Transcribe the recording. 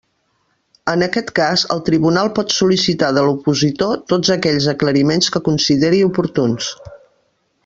En aquest cas el Tribunal pot sol·licitar de l'opositor tots aquells aclariments que consideri oportuns.